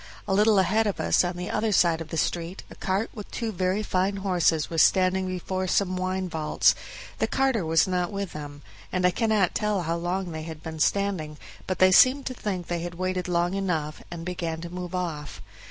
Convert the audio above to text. A little ahead of us on the other side of the street a cart with two very fine horses was standing before some wine vaults; the carter was not with them, and I cannot tell how long they had been standing, but they seemed to think they had waited long enough, and began to move off.